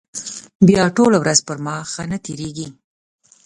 بیا ټوله ورځ پر ما ښه نه تېرېږي.